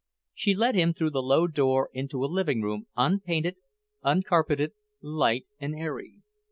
She led him through the low door into a living room, unpainted, uncarpeted, light and airy.